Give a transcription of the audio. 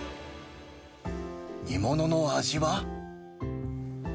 煮物の味は。